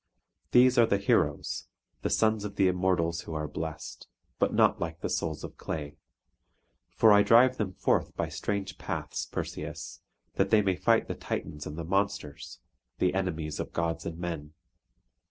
These are the heroes, the sons of the Immortals who are blest, but not like the souls of clay. For I drive them forth by strange paths, Perseus, that they may fight the Titans and the monsters, the enemies of gods and men.